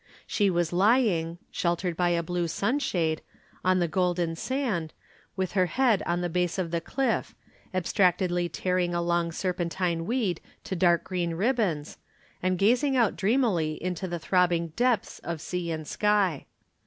She was lying, sheltered by a blue sunshade, on the golden sand, with her head on the base of the cliff, abstractedly tearing a long serpentine weed to dark green ribbons, and gazing out dreamily into the throbbing depths of sea and sky.